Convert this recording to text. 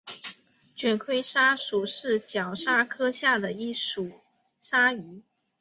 卷盔鲨属是角鲨科下的一属鲨鱼。